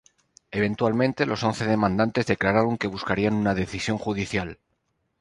Eventualmente, los once demandantes declararon que buscarían una decisión judicial.